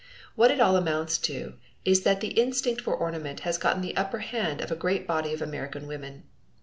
What it all amounts to is that the instinct for ornament has gotten the upper hand of a great body of American women.